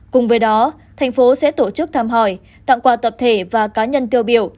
cùng với đó thành phố sẽ tổ chức thăm hỏi tặng quà tập thể và cá nhân tiêu biểu